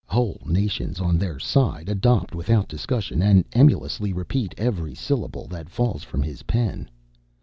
Whole nations, on their side, adopt without discussion, and emulously repeat, every syllable that falls from his pen.